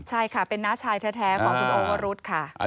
ใช่ค่ะเป็นน้าชายแท้ของคุณโอวรุธค่ะ